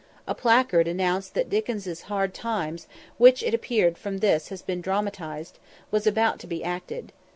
A placard announced that Dickens' 'Hard Times,' which it appears from this has been dramatised, was about to be acted.